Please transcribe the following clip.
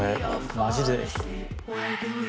マジで。